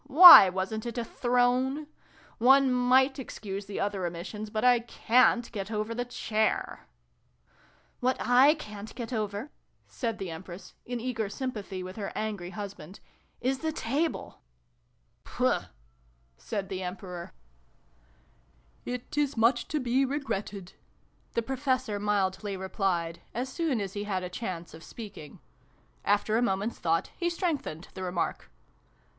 Why wasn't it a throne ? One might excuse the other omissions, but I cant get over the chair !"" W'hat / ca'n't get over," said the Empress, in eager sympathy with her angry husband, " is the table !"" Pooh !" said the Emperor. Y 2 324 SYLVIE AND BRUNO CONCLUDED. "It is much to be regretted !" the Professor mildly replied, as soon as he had a chance of speaking. After a moment's thought he strengthened the remark.